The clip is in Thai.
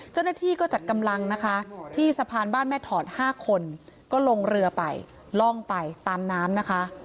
เจ้าหน้าที่ก็จัดกำลังนะคะที่สะพานบ้านแม่ถอด๕คนก็ลงเรือไปล่องไปตามน้ำนะคะ